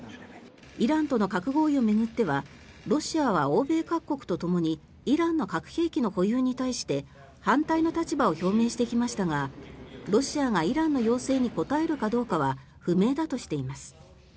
イランとの核合意を巡ってはロシアは欧米各国とともにイランの核兵器の保有に対して反対の立場を表明してきましたがロシアがイランの要請に応えるかどうかは不明だとしています。